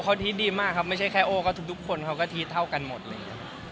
ก็เขาทีสดีมากครับไม่ใช่แค่โอ้วก็ทุกคนเขาก็ทีสเท่ากันหมดเลย